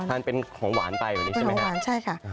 ทานเป็นของหวานไปวันนี้ใช่ไหมครับใช่ค่ะ